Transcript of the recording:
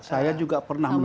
saya juga pernah menangani